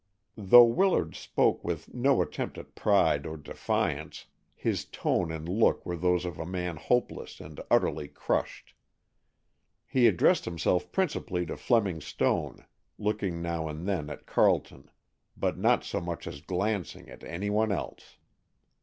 Though Willard spoke with no attempt at pride or defiance, his tone and look were those of a man hopeless and utterly crushed. He addressed himself principally to Fleming Stone, looking now and then at Carleton, but not so much as glancing at any one else.